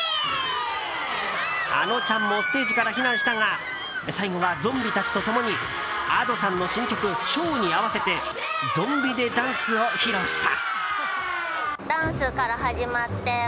あのちゃんもステージから避難したが最後はゾンビたちと共にＡｄｏさんの新曲「唱」に合わせてゾンビ・デ・ダンスを披露した。